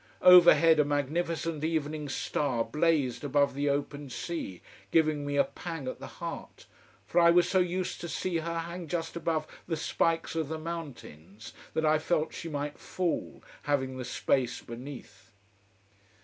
Overhead a magnificent evening star blazed above the open sea, giving me a pang at the heart, for I was so used to see her hang just above the spikes of the mountains, that I felt she might fall, having the space beneath.